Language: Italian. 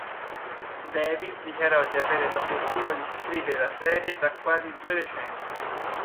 Davies dichiarò di avere l'obiettivo di scrivere la serie da quasi due decenni.